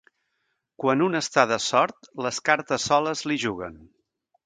Quan un està de sort, les cartes soles li juguen.